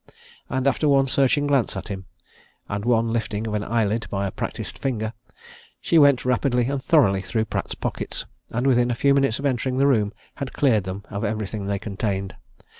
And after one searching glance at him, and one lifting of an eyelid by a practised finger, she went rapidly and thoroughly through Pratt's pockets, and within a few minutes of entering the room had cleared them of everything they contained.